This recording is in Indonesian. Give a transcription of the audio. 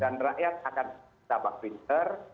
dan rakyat akan dapat pinter